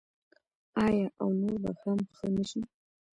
آیا او نور به هم ښه نشي؟